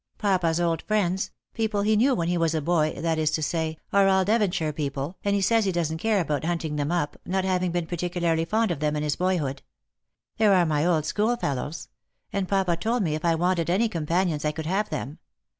Papa's old friends — people he knew when he was a boy, that is to say — are all Devonshire people, and he says he doesn't care about hunting them up, not having been particu larly fond of them in his boyhood. There are my old school fellows ; and papa told me if I wanted any companions I could have them.